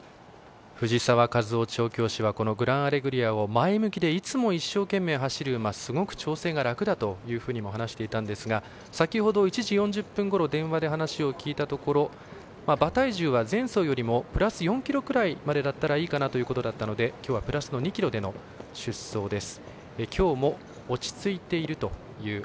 藤沢和雄調教師はグランアレグリアを前向きでいつも一生懸命、走る馬すごく調整が楽だというふうにも話していたんですが先ほど１時４０分ごろ電話で話を聞いたところ馬体重は前走よりもプラス４ｋｇくらいまでだったらいいかなということだったのできょうはプラスの２ｋｇでの出走です。